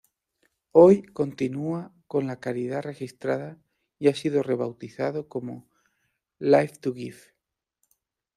Hoy, continúa con la caridad registrada y ha sido rebautizado como "Live To Give".